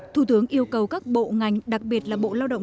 thủ tướng yêu cầu các bộ ngành đặc biệt là bộ lao động